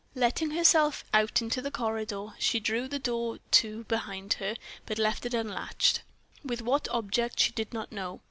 Letting herself out into the corridor, she drew the door to behind her, but left it unlatched; with what object, she did not know.